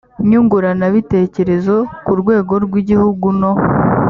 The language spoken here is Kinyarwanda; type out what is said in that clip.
nyunguranabitekerezo ku rwego rw igihugu no